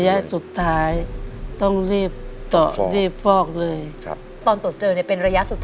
ระยะสุดท้ายต้องรีบห่อรีบฟอกเลย